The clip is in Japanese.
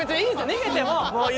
逃げても。